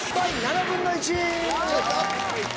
７分の１。